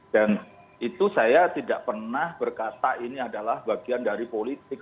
dan itu saya tidak pernah berkata ini adalah bagian dari politik